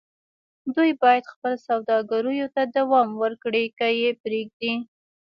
دوی بايد خپلو سوداګريو ته دوام ورکړي که يې پرېږدي.